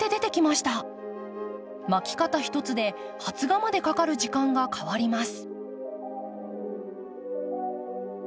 まき方ひとつで発芽までかかる時間が変わります。